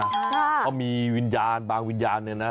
เพราะมีวิญญาณบางวิญญาณเนี่ยนะ